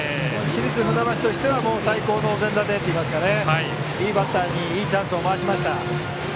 市立船橋としては最高のお膳立てといいますかねいいバッターにいいチャンスを回しました。